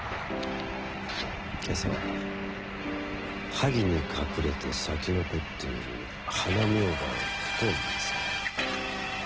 けさ、萩にかくれて咲き残っている花茗荷をふと見つけた。